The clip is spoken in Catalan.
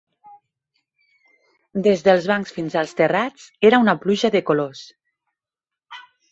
Des de els bancs fins als terrats era una pluja de colors